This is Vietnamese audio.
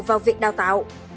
vào việc đào tạo